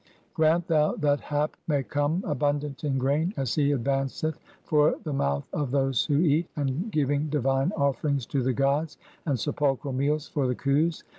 "grant thou that Hap may come (3) abundant in grain as he "advanceth for the mouth of those who eat, and giving divine "offerings to the gods, and (4) sepulchral meals for the Khus.